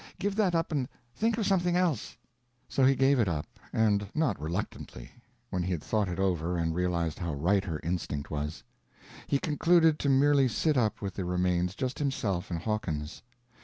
Give that up and think of something else." So he gave it up; and not reluctantly, when he had thought it over and realized how right her instinct was. He concluded to merely sit up with the remains just himself and Hawkins.